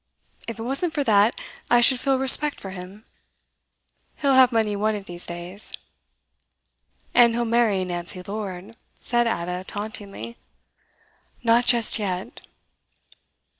If it wasn't for that, I should feel a respect for him. He'll have money one of these days.' 'And he'll marry Nancy Lord,' said Ada tauntingly. 'Not just yet.